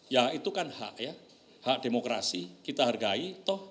ya itu kan hak ya hak demokrasi kita hargai